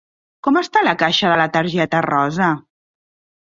Com està la caixa de la targeta rosa?